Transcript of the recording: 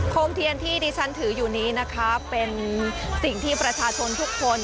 มเทียนที่ดิฉันถืออยู่นี้นะคะเป็นสิ่งที่ประชาชนทุกคน